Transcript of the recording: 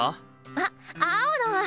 あっ青野！